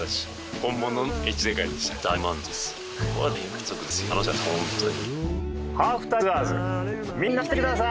本当に。